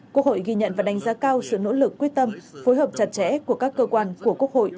quốc hội ghi nhận và đánh giá cao sự nỗ lực quyết tâm phối hợp chặt chẽ của các cơ quan của quốc hội